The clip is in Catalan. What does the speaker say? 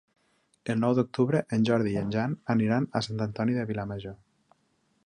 El nou d'octubre en Jordi i en Jan aniran a Sant Antoni de Vilamajor.